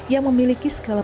yang memiliki skalab kualitas